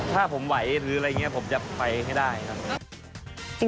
ถ้าผมไหวหรืออะไรอย่างนี้ผมจะไปให้ได้ครับ